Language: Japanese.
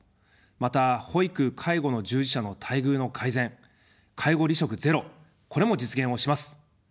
また、保育・介護の従事者の待遇の改善、介護離職ゼロ、これも実現をします。